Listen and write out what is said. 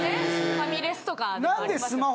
ファミレスとかでもありますよ。